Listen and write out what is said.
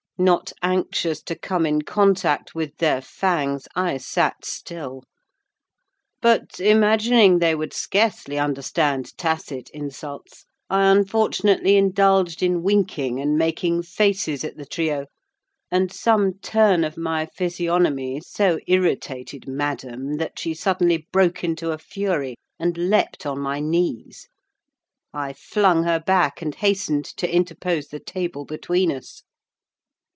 Not anxious to come in contact with their fangs, I sat still; but, imagining they would scarcely understand tacit insults, I unfortunately indulged in winking and making faces at the trio, and some turn of my physiognomy so irritated madam, that she suddenly broke into a fury and leapt on my knees. I flung her back, and hastened to interpose the table between us.